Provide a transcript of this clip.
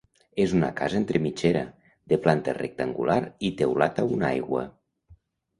És una casa entre mitgera, de planta rectangular i teulat a una aigua.